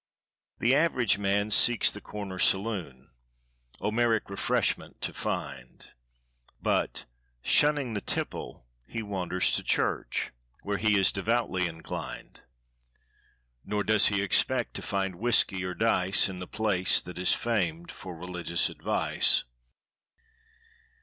The Average Man seeks the corner saloonOmeric refreshment to find; But, shunning the tipple, he wanders to churchWhere he is devoutly inclined—Nor does he expect to find whiskey or diceIn the place that is famed for religious advice.